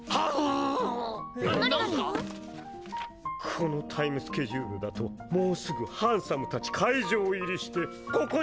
このタイムスケジュールだともうすぐハンサムたち会場入りしてここに挨拶に来るみたい！！